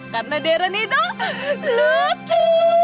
karena darren itu lucu